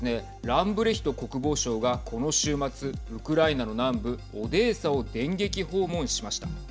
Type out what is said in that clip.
ランブレヒト国防相が、この週末ウクライナの南部オデーサを電撃訪問しました。